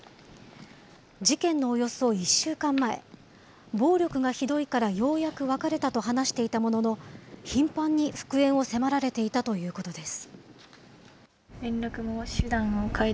事件のおよそ１週間前、暴力がひどいからようやく別れたと話していたものの、頻繁に復縁を迫られていたということです。